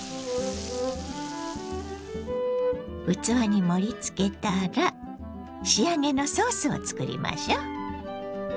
器に盛りつけたら仕上げのソースを作りましょ。